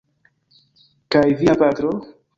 Kaj via patro?